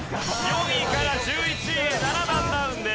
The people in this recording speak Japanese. ４位から１１位７段ダウンです。